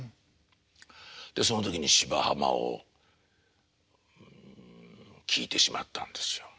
でその時に「芝浜」を聴いてしまったんですよ。